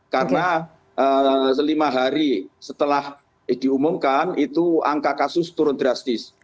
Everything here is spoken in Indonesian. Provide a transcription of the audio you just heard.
karena selima hari setelah diumumkan itu angka kasus turun drastis